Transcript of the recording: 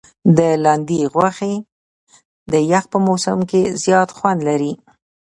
د لاندي غوښي د یخ په موسم کي زیات خوند لري.